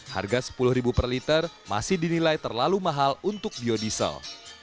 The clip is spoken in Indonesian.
harga rp sepuluh per liter masih dinilai terlalu mahal untuk biodiesel